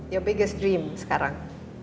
your biggest dream sekarang